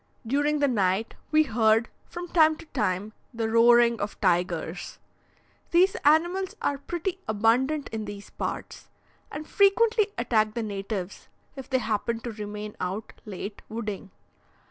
During the night, we heard, from time to time, the roaring of tigers. These animals are pretty abundant in these parts, and frequently attack the natives if they happen to remain out late wooding.